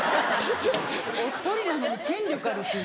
おっとりなのに権力あるって。